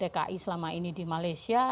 kemudian menjadi tki selama ini di malaysia